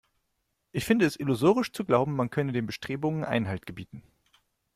Ich finde es illusorisch zu glauben, man könne den Bestrebungen Einhalt gebieten.